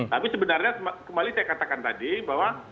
tapi sebenarnya kembali saya katakan tadi bahwa